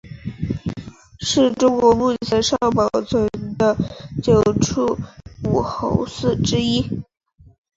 是中国目前尚保存的九处武侯祠之一。